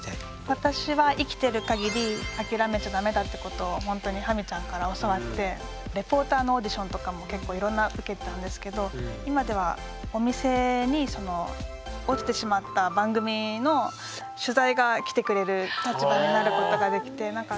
私は生きてるかぎり諦めちゃダメだってことをほんとにハミちゃんから教わってレポーターのオーディションとかも結構いろんな受けてたんですけど今ではお店にその落ちてしまった番組の取材が来てくれる立場になることができて。